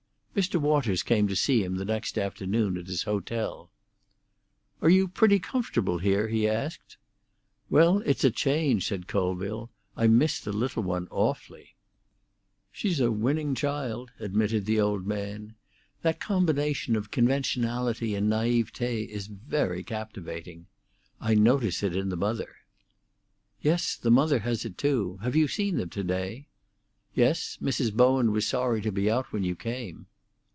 Mr. Waters came to see him the next afternoon at his hotel. "Are you pretty comfortable here?" he asked. "Well, it's a change," said Colville. "I miss the little one awfully." "She's a winning child," admitted the old man. "That combination of conventionality and naïveté is very captivating. I notice it in the mother." "Yes, the mother has it too. Have you seen them to day?" "Yes; Mrs. Bowen was sorry to be out when you came."